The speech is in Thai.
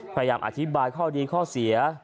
พยายามอธิบายข้อดีข้อเสีย